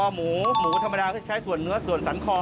หมูธรรมดาคือใช้ส่วนเนื้อส่วนศรรคอ